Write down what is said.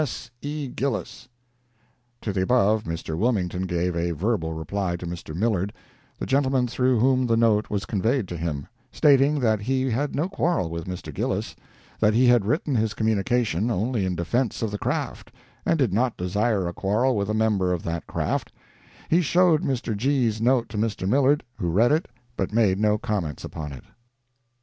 S. E. GILLIS [To the above, Mr. Wilmington gave a verbal reply to Mr. Millard—the gentleman through whom the note was conveyed to him—stating that he had no quarrel with Mr. Gillis; that he had written his communication only in defense of the craft, and did not desire a quarrel with a member of that craft; he showed Mr. G's note to Mr. Millard, who read it, but made no comments upon it.